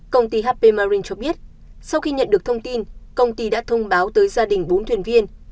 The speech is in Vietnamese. công ty hp marin cho biết sau khi nhận được thông tin công ty đã thông báo tới gia đình bốn thuyền viên